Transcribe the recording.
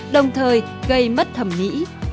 đồng thời gây mất thẩm mỹ